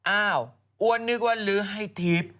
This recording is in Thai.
อ้าวอ้วนนึกว่าลื้อให้ทิพย์